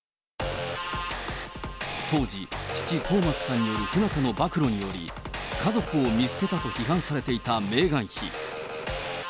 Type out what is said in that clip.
当時、父、トーマスさんによる不仲の暴露により、家族を見捨てたと批判されていたメーガン妃。